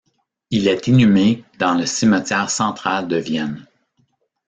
Il est inhumé dans le Cimetière central de Vienne.